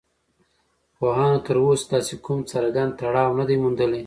پوهانو تر اوسه داسې کوم څرگند تړاو نه دی موندلی